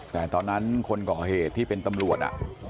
แต่ตอนนั้นคนก่อเหตุที่เป็นตำรวจ